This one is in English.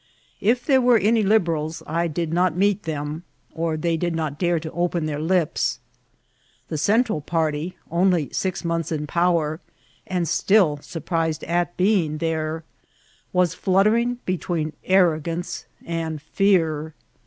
If there were any Liberals, I did not meet them, or they did not dare to open their lips. The Central party, only six months in power, and still surprised at being there, was fluttering between arro gance and fear.